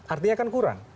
artinya kan kurang